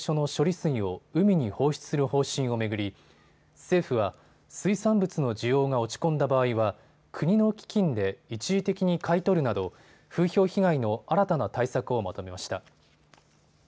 水を海に放出する方針を巡り政府は水産物の需要が落ち込んだ場合は国の基金で一時的に買い取るなど風評被害の新たな対策をまとめました。